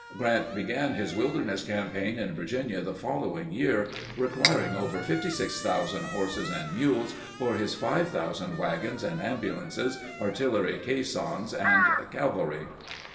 (Grant began his Wilderness campaign in Virginia the following year requiring over 56,000 horses and mules for his 5,000 wagons and ambulances, artillery caissons, and cavalry.)